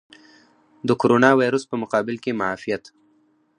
د کوروناویرس په مقابل کې معافیت.